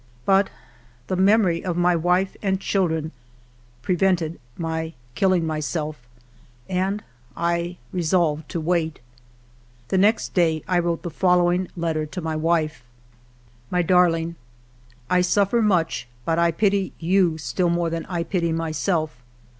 But the memory of my wife and children prevented my killing myself, and I resolved to wait. The next day I wrote the following letter to my wife :— "My Darling, —" I suffer much, but I pity you still more than I pity myself.